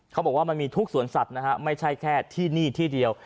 เขาบอกว่ามันมีทุกสวนสัตว์นะฮะไม่ใช่แค่ที่นี่ที่เดียว